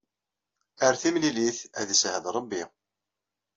Ar timlilit, ad isahel Ṛebbi.